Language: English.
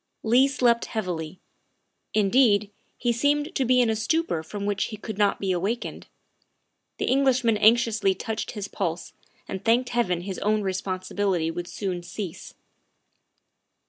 Leigh slept heavily. Indeed, he seemed to be in a stupor from which he could not be awakened. The Eng lishman anxiously touched his pulse and thanked Heaven his own responsibility would soon cease.